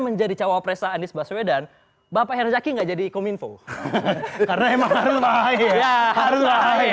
menjadi cawapresa anies baswedan bapak herzaki enggak jadi ikuminfo karena emang harus ya harus